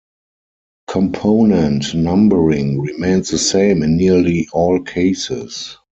Component numbering remains the same in nearly all cases.